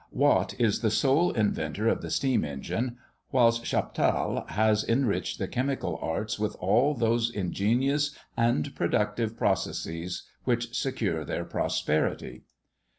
Watt is the sole inventor of the steam engine, whilst Chaptal has enriched the chemical arts with all those ingenious and productive processes which secure their prosperity."